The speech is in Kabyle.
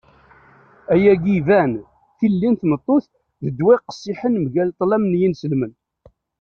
Ayagi iban. Tilelli n tmeṭṭut d ddwa qqessiḥen mgal ṭṭlam n yinselmen.